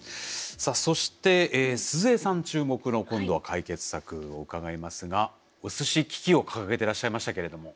さあそして鈴江さん注目の今度は解決策を伺いますがお寿司危機を掲げてらっしゃいましたけれども。